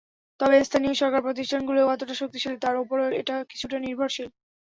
তবে স্থানীয় সরকার প্রতিষ্ঠানগুলো কতটা শক্তিশালী, তার ওপরও এটা কিছুটা নির্ভরশীল।